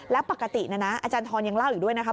แล้วปกตินะนะอาจารย์ทรยังเล่าอีกด้วยนะครับ